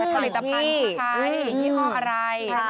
ผลิตภัณฑ์ผู้ใช้ยี่ห้ออะไร